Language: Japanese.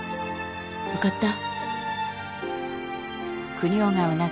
分かった？